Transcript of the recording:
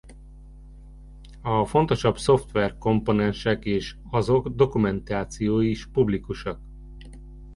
A fontosabb szoftver komponensek és azok dokumentációi is publikusak.